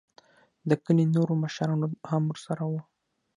دکلي نوور مشران هم ورسره وو.